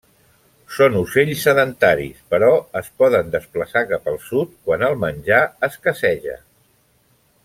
Són ocells sedentaris, però es poden desplaçar cap al sud quan el menjar escasseja.